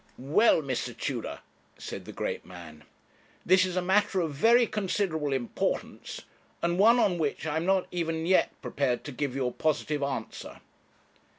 'Well, Mr. Tudor,' said the great man, 'this is a matter of very considerable importance, and one on which I am not even yet prepared to give you a positive answer.'